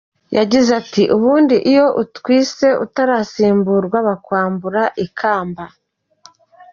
yagize ati :"Ubundi iyo utwise utarasimburwa bakwambura ikaba .